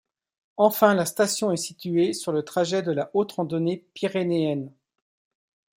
Enfin la station est située sur le trajet de la haute randonnée pyrénéenne.